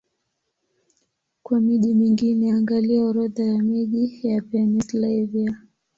Kwa miji mingine, angalia Orodha ya miji ya Pennsylvania.